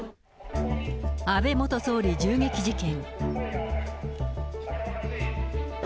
安倍元総理銃撃事件。